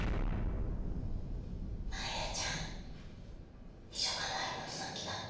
真夕ちゃん秘書課の有本さん来たの？